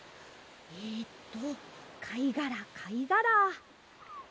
えとかいがらかいがら。